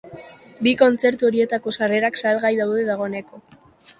Bi kontzertu horietarako sarrerak salgai daude dagoeneko.